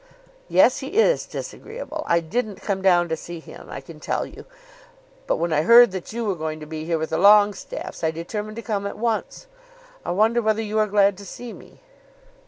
"Yes; he is disagreeable. I didn't come down to see him, I can tell you. But when I heard that you were going to be here with the Longestaffes, I determined to come at once. I wonder whether you are glad to see me?"